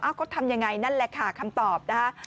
อ้าวเขาทำอย่างไรนั่นแหละค่ะคำตอบนะคะ